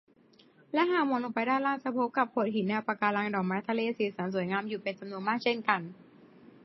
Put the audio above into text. และหากมองลงไปด้านล่างจะพบกับโขดหิน แนวปะการัง ดอกไม้ทะเลสีสันสวยงามอยู่เป็นจำนวนมากเช่นกัน